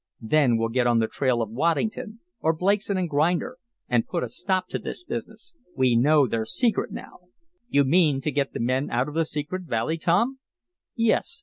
Then we'll get on the trail of Waddington, or Blakeson & Grinder, and put a stop to this business. We know their secret now." "You mean to get the men out of the secret valley, Tom?" "Yes.